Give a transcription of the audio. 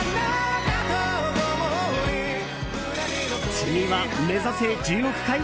次は目指せ１０億回？